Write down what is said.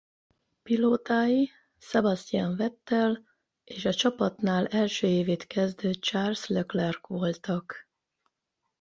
Pilótái Sebastian Vettel és a csapatnál első évét kezdő Charles Leclerc voltak.